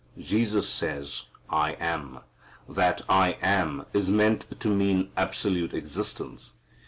Jesus says "I am." That "I am" is meant to mean absolute existence.